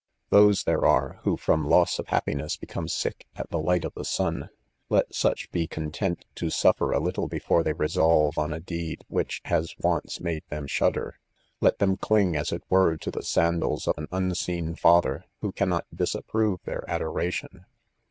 Those there are, who., from loss of happiness, become sick at the light of the sun. Let such Be content to suf fer a little, before they resolve on a deed which has once made them shudder* Let them cling, as it were, to the sandals of an unseen father,, who cannot disapprove their adoration.